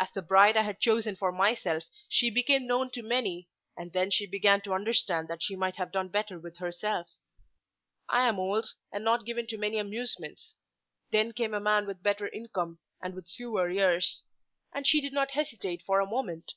As the bride I had chosen for myself she became known to many, and then she began to understand that she might have done better with herself. I am old, and not given to many amusements. Then came a man with a better income and with fewer years; and she did not hesitate for a moment.